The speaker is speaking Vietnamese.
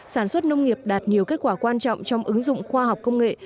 sản xuất nông nghiệp đạt nhiều kết quả quan trọng trong ứng dụng khoa học công nghệ